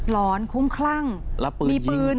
หลอนคุ้มขลั่งมีปืนและขับรถ